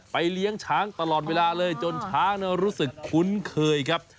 เลี้ยงช้างตลอดเวลาเลยจนช้างรู้สึกคุ้นเคยครับ